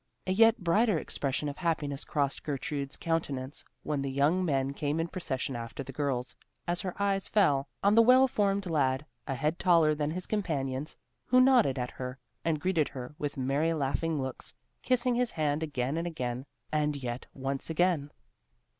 A yet brighter expression of happiness crossed Gertrude's countenance when the young men came in procession after the girls, as her eyes fell on the well formed lad, a head taller than his companions, who nodded at her, and greeted her with merry laughing looks, kissing his hand again and again, and yet once again.